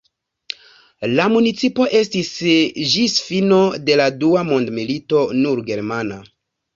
La municipo estis ĝis fino de la dua mondmilito nur germana.